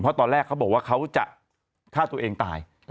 เพราะตอนแรกเขาบอกว่าเขาจะฆ่าตัวเองตาย